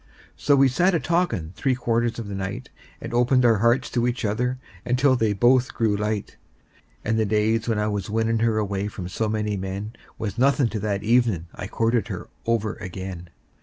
And so we sat a talkin' three quarters of the night, And opened our hearts to each other until they both grew light; And the days when I was winnin' her away from so many men Was nothin' to that evenin' I courted her over again.